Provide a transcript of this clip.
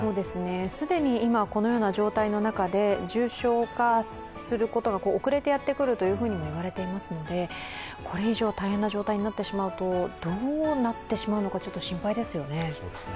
既に今、このような状態の中で重症化することが遅れてやってくるとも言われていますので、これ以上、大変な状態になってしまうとどうなってしまうのか心配ですね。